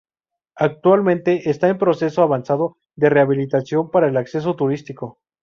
Actualmente está en proceso avanzado de rehabilitación para el acceso turístico.